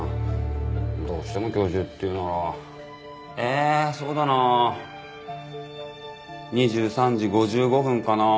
どうしても今日中っていうならえそうだな２３時５５分かな。